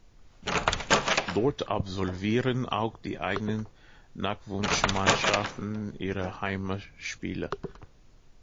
Dort absolvieren auch die eigenen Nachwuchsmannschaften ihre Heimspiele.